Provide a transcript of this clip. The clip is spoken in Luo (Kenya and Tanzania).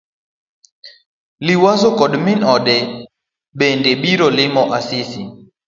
Liwazo koda min ode bende nobiro limo Asisi.